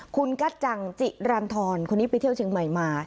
คุณกัจจังจิรันทรคนนี้ไปเที่ยวเชียงใหม่มา